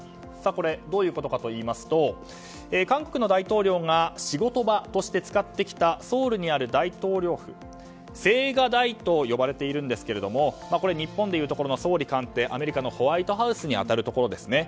どういうことかといいますと韓国の大統領が仕事場として使ってきたソウルにある大統領府青瓦台と呼ばれていますが日本で言うところの総理官邸アメリカのホワイトハウスに当たるところですね。